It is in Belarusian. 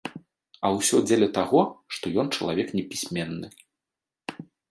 А ўсё дзеля таго, што ён чалавек непісьменны.